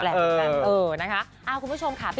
เออนะคะคุณผู้ชมค่ะ